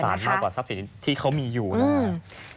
มันมหาศาลมากกว่าทรัพย์สินที่เขามีอยู่นะคะ